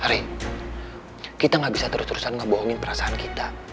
rey kita gak bisa terus terusan ngebohongin perasaan kita